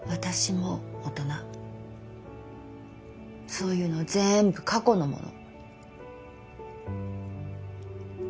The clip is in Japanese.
そういうの全部過去のもの。